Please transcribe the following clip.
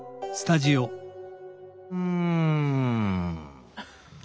うん。